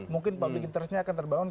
mungkin public interestnya akan terbangun